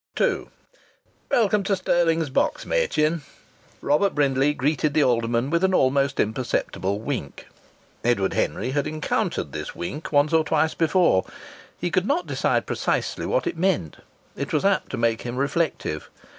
II "Welcome to Stirling's box, Machin!" Robert Brindley greeted the alderman with an almost imperceptible wink. Edward Henry had encountered this wink once or twice before; he could not decide precisely what it meant; it was apt to make him reflective.